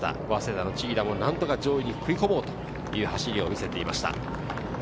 早稲田の千明も何とか上位に食い込もうという走りを見せていました。